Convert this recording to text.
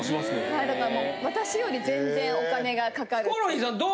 はいだからもう私より全然お金がかかるっていう。